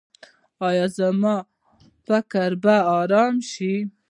ایا زما فکر به ارام شي؟